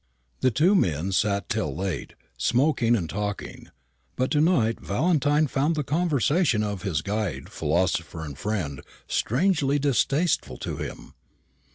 The two men sat till late, smoking and talking; but to night Valentine found the conversation of his "guide, philosopher, and friend" strangely distasteful to him.